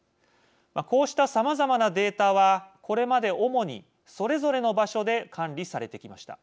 こうしたさまざまなデータはこれまで主にそれぞれの場所で管理されてきました。